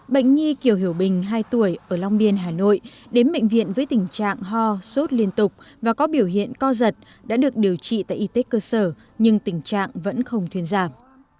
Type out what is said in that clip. bệnh nhi kiều hiểu bình hai tuổi ở long biên hà nội đến bệnh viện với tình trạng ho sốt liên tục và có biểu hiện co giật đã được điều trị tại y tế cơ sở nhưng tình trạng vẫn không thuyên giảm